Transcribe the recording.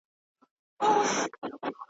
یو ناڅاپه غشی ورغی له مځکي ,